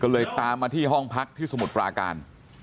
ก็เลยตามมาที่ห้องพักที่สมุทรปราการ